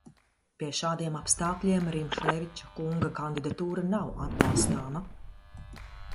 Pie šādiem apstākļiem Rimšēviča kunga kandidatūra nav atbalstāma!